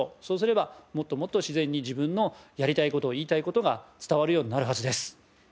そうすればもっともっと自然に自分のやりたい事言いたい事が伝わるようになるはずです。